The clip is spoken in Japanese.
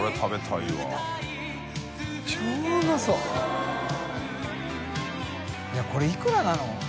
いこれいくらなの？